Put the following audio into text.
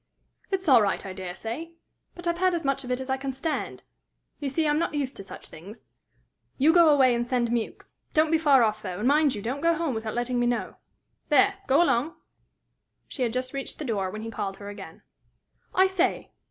It's all right, I dare say! But I've had as much of it as I can stand! You see, I'm not used to such things. You go away, and send Mewks. Don't be far off, though, and mind you don't go home without letting me know. There! Go along." She had just reached the door, when he called her again. "I say!